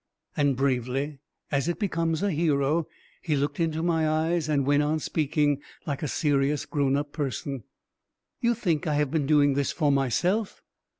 And bravely, as it becomes a hero, he looked in my eyes and went on, speaking like a serious grown up person: "You think I have been doing this for myself?